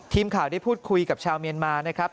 ทีมข่าวได้พูดคุยกับชาวเมียนมานะครับ